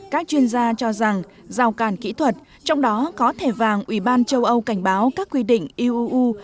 các chuyên gia cho rằng rào càn kỹ thuật trong đó có thẻ vàng ủy ban châu âu cảnh báo các quy định uuu